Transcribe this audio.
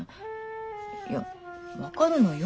いや分かるのよ